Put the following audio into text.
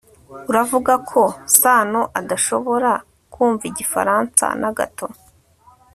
uravuga ko sano adashobora kumva igifaransa na gato